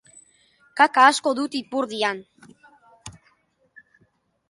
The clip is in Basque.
Kaka asko dut ipurdian.